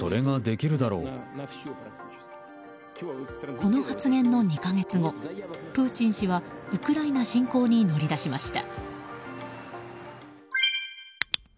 この発言の２か月後プーチン氏はウクライナ侵攻に乗り出しました。